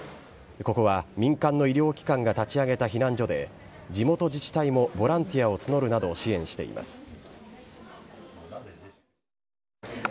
ここは民間の医療機関が立ち上げた避難所で、地元自治体もボランティアを募るなど支援しています。